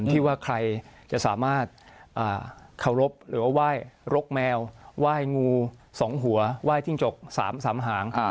ที่ว่าใครจะสามารถเคารพหรือว่าไหว้รกแมวไหว้งู๒หัวไหว้จิ้งจก๓หาง